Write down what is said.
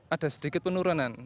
ada sedikit penurunan